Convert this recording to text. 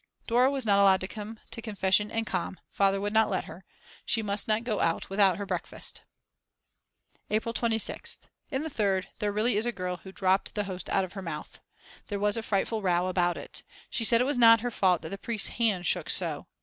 Dora was not allowed to come to confession and com., Father would not let her. She must not go out without her breakfast. April 26th. In the Third there really is a girl who dropped the host out of her mouth. There was a frightful row about it. She said it was not her fault the priest's hand shook so.